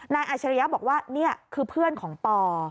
อาชริยะบอกว่านี่คือเพื่อนของปอ